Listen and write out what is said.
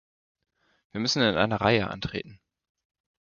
Wir müssen in einer Reihe antreten.